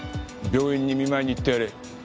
病院に見舞いに行ってやれ。